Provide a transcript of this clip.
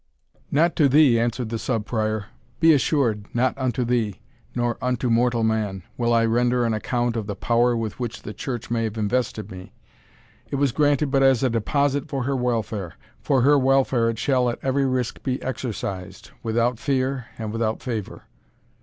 "Not to thee," answered the Sub Prior, "be assured not unto thee, nor unto mortal man, will I render an account of the power with which the church may have invested me. It was granted but as a deposit for her welfare for her welfare it shall at every risk be exercised, without fear and without favour."